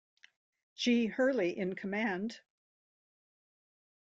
G. Hurley in command.